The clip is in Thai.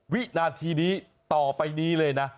วินาทีนี้ต่อไปนี้เลยนะ